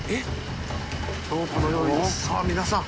さぁ皆さん。